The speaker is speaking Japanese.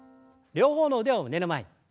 両方の腕を胸の前に。